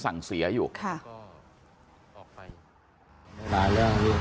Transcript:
แล้วทำยา